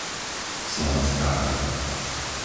Slanská Huta